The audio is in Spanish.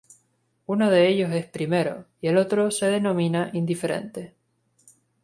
Uno de ellos es "primero" y el otro se denomina "indiferente".